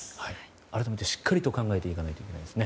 改めてしっかりと考えていかないといけないですね。